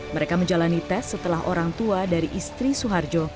mereka menjalani tes setelah orang tua dari istri suharjo